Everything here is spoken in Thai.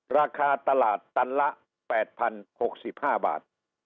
ราคาตลาดตันละ๘๐๖๕บาท